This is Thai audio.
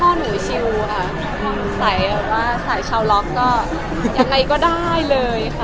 ก็หนูชิวค่ะใส่แบบว่าสายชาวล็อกก็ยังไงก็ได้เลยค่ะ